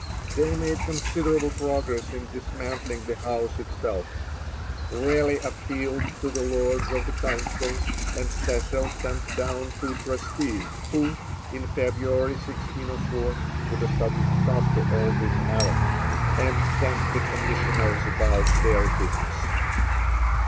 They made considerable progress in dismantling the house itself. Raleigh appealed to the Lords of the Council, and Cecil sent down two trustees, who, in February 1604, put a sudden stop to all this havoc, and sent the commissioners about their business.